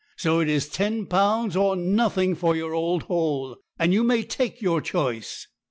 So it is ten pounds or nothing for your old hole; and you may take your choice.'